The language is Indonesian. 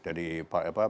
tapi kawan kawan dari